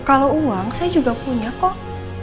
kalau uang saya juga punya kok